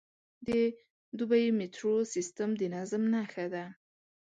د دوبی میټرو سیستم د نظم نښه ده.